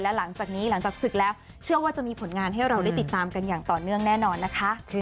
และหลังจากนี้หลังจากศึกแล้วเชื่อว่าจะมีผลงานให้เราได้ติดตามกันอย่างต่อเนื่องแน่นอนนะคะ